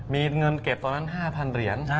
มีเงินเก็บตอนนั้น๕๐๐เหรียญ